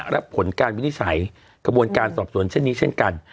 และผลการวินิจฉัยกระบวนการสอบสวนเช่นนี้เช่นกัน